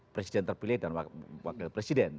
presiden terpilih dan wakil presiden